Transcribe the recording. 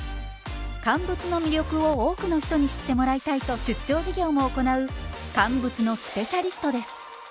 乾物の魅力を多くの人に知ってもらいたいと出張授業も行う乾物のスペシャリストです。